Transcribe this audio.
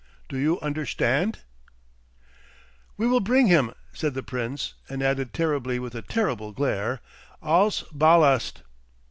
Do you understandt?" "We will bring him," said the Prince, and added terribly with a terrible glare, "als Ballast."